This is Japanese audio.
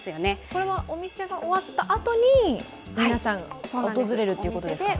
これはお店が終わったあとに皆さん、訪れるということですか？